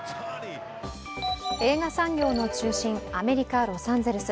映画産業の中心、アメリカ・ロサンゼルス。